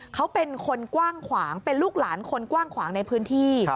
เขาเป็นคนกว้างขวางเป็นลูกหลานคนกว้างขวางในพื้นที่